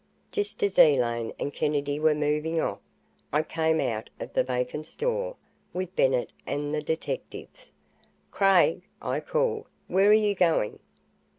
Just as Elaine and Kennedy were moving off, I came out of the vacant store, with Bennett and the detectives. "Craig!" I called. "Where are you going?"